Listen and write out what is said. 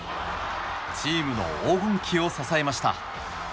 チームの黄金期を支えました。